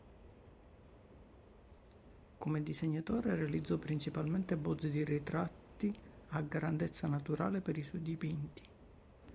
Come disegnatore, realizzò principalmente bozze di ritratti a grandezza naturale per i suoi dipinti.